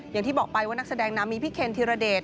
อย่างที่บอกไปว่านักแสดงนำมีพี่เคนธีรเดช